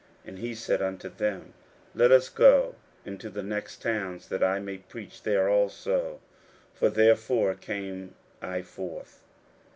41:001:038 And he said unto them, Let us go into the next towns, that I may preach there also: for therefore came I forth.